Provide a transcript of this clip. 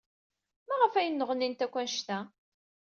Maɣef ay nneɣnint akk anect-a?